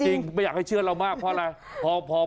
ไม่อยากให้เชื่อเรามากเพราะอะไร